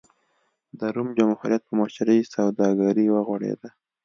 د روم جمهوریت په مشرۍ سوداګري وغوړېده.